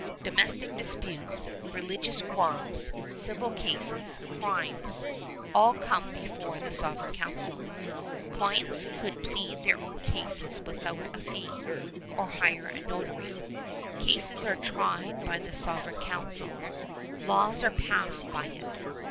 Domestic disputes, religious quarrels, civil cases, crimes, all come before the Sovereign Council. Clients could plead their own cases without a fee, or hire a notary. Cases are tried by the Sovereign Council. Laws are passed by it.